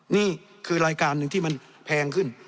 นี่คือรายการหนึ่งที่มันแพงขึ้น